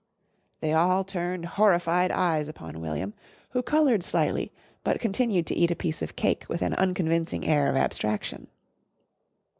They all turned horrified eyes upon William, who coloured slightly but continued to eat a piece of cake with an unconvincing air of abstraction.